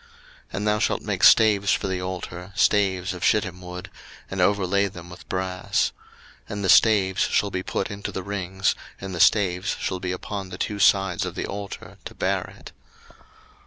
02:027:006 And thou shalt make staves for the altar, staves of shittim wood, and overlay them with brass. 02:027:007 And the staves shall be put into the rings, and the staves shall be upon the two sides of the altar, to bear it.